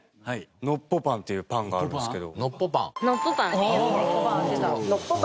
のっぽパンっていうパンがあるんですけど。